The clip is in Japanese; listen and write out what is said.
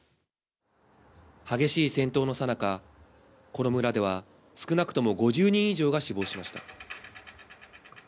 激しい戦闘のさなか、この村では少なくとも５０人以上が死亡しました。